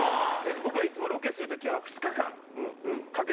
僕らいつもロケする時は２日間かけてやるんですね。